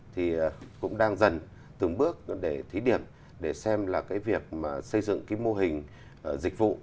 thì cũng đang dần từng bước để thí điểm để xem là cái việc mà xây dựng cái mô hình dịch vụ